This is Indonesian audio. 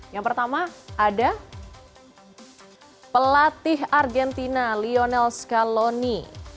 yang pertama ada pelatih argentina lionel scaloni